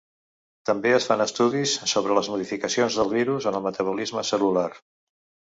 També es fan estudis sobre les modificacions del virus en el metabolisme cel·lular.